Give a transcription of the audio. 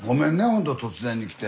ほんと突然に来て。